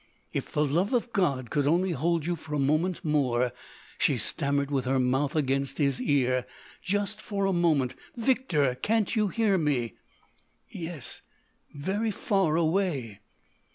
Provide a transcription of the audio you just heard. "If the love of God could only hold you for a moment more!"—she stammered with her mouth against his ear, "just for a moment, Victor! Can't you hear me?" "Yes—very far away."